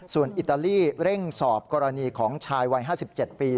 ส่วนอิตาลีเร่งสอบกรณีของชายวัย๕๗ปี